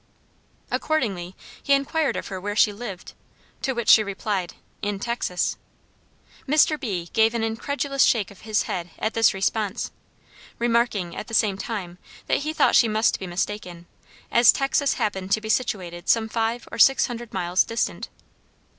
Accordingly, he inquired of her where she lived, to which she replied, "In Texas." Mr. B. gave an incredulous shake of his head at this response, remarking at the same time that he thought she must be mistaken, as Texas happened to be situated some five or six hundred miles distant.